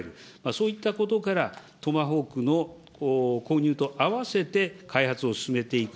そういったことから、トマホークの購入とあわせて開発を進めていく。